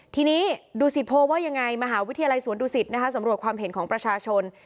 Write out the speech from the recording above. ทีนี้ดูสิโพลว่ายังไงมหาวิทยาลัยสวนดุสิตนะคะสำรวจความเห็นของประชาชน